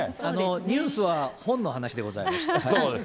ニュースは本の話でございます。